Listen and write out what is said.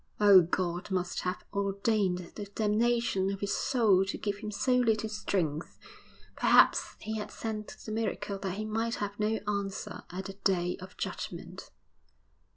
Oh, God must have ordained the damnation of his soul to give him so little strength perhaps He had sent the miracle that he might have no answer at the Day of Judgment.